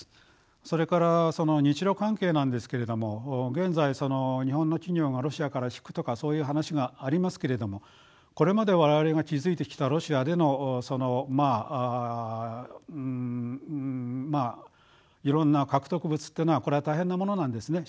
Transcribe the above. それから日ロ関係なんですけれども現在日本の企業がロシアから引くとかそういう話がありますけれどもこれまで我々が築いてきたロシアでのいろんな獲得物というのはこれは大変なものなんですね